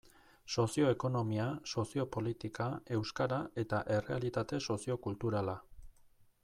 Sozio-ekonomia, sozio-politika, euskara eta errealitate sozio-kulturala.